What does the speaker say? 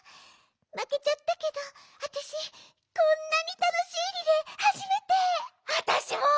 まけちゃったけどあたしこんなにたのしいリレーはじめて！あたしも！